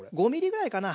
５ｍｍぐらいかな。